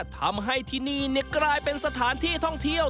ทำให้ที่นี่กลายเป็นสถานที่ท่องเที่ยว